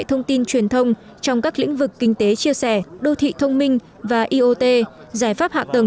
thông tin truyền thông trong các lĩnh vực kinh tế chia sẻ đô thị thông minh và iot giải pháp hạ tầng